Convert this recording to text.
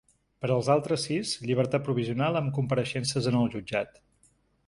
Per als altres sis, llibertat provisional amb compareixences en el jutjat.